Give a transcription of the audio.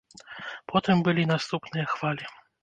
Потым былі наступныя хвалі.